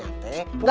masih ada lagi